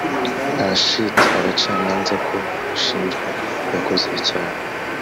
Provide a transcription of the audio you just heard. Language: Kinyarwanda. nta shiti abacamanza ko ushinjwa yakoze icyaha